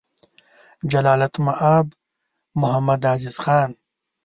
جلالتمآب محمدعزیز خان: